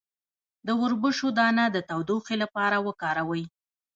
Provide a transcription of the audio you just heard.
د وربشو دانه د تودوخې لپاره وکاروئ